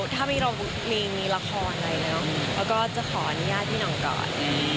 ถ้าไม่เห็นราคาอะไรนะค่ะเราก็จะขออนุญาตพี่น้องก่อน